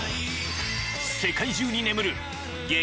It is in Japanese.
［世界中に眠る激